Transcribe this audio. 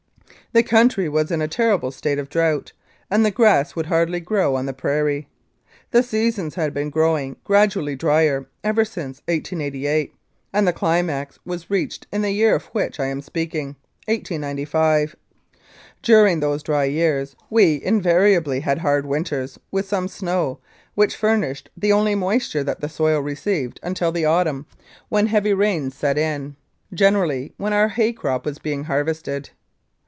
The country was in a terrible state of drought, and the grass would hardly grow on the prairie. The seasons had been growing gradually drier ever since 1888, and the climax was reached in the year of which I am speaking, 1895. During those dry years we invariably had hard winters, with some snow, which furnished the only moisture that the soil received until the autumn, when heavy rains set 272 Incidents of Mounted Police Life in, generally when our hay crop was being harvested.